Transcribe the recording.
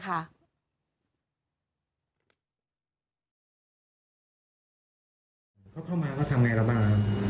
เข้ามาก็ทำไงละบ้าง